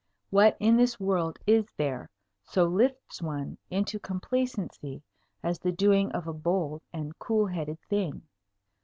What in this world is there so lifts one into complacency as the doing of a bold and cool headed thing?